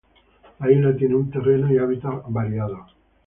La isla tiene un terreno y hábitats variados.